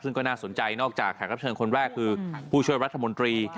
ซึ่งก็น่าสนใจนอกจากแขกรับเชิญคนแรกคือผู้ช่วยรัฐมนตรี